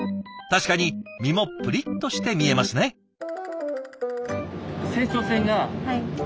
確かに身もぷりっとして見えますね。